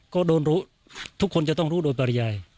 ก็โดนรู้ทุกคนจะต้องรู้โดยปริยาย